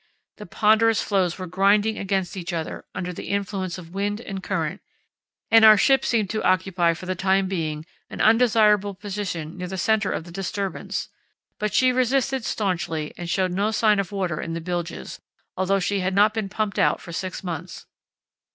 The ponderous floes were grinding against each other under the influence of wind and current, and our ship seemed to occupy for the time being an undesirable position near the centre of the disturbance; but she resisted staunchly and showed no sign of water in the bilges, although she had not been pumped out for six months.